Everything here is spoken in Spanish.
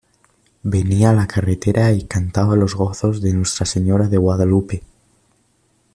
venía a la carrera y cantaba los gozos de Nuestra Señora de Guadalupe.